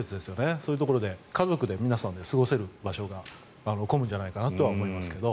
そういうところで家族で、皆さんで過ごせる場所が混むんじゃないかなとは思いますけど。